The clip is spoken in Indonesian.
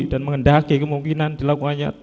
dan mengendaki kemungkinan dilakukannya